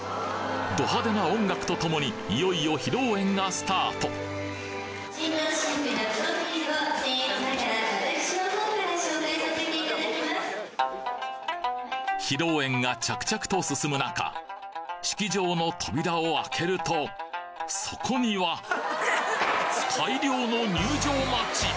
ド派手な音楽とともにいよいよ披露宴が着々と進む中式場の扉を開けるとそこには大量の入場待ち！